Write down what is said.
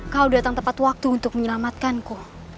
kau datang tepat waktu untuk menyelamatkanku